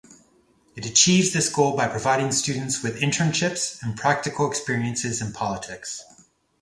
It achieves this goal by providing students with internships and practical experiences in politics.